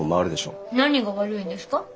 何が悪いんですか？